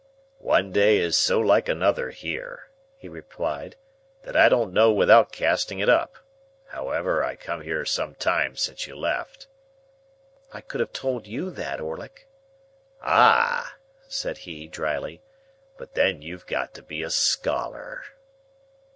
"One day is so like another here," he replied, "that I don't know without casting it up. However, I come here some time since you left." "I could have told you that, Orlick." "Ah!" said he, dryly. "But then you've got to be a scholar."